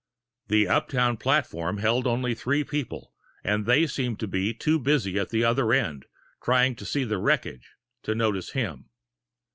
The uptown platform held only three people, and they seemed to be too busy at the other end, trying to see the wreckage, to notice him.